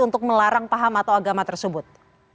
untuk melarang paham atau agama tersebut